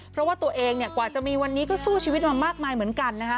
เพราะว่าตัวเองกว่าจะมีวันนี้ก็สู้ชีวิตมามากมายเหมือนกันนะฮะ